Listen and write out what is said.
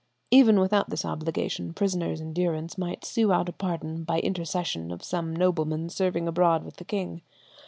Even without this obligation prisoners in durance might sue out a pardon by intercession of some nobleman serving abroad with the king.